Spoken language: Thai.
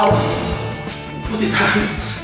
ผู้ติดตาม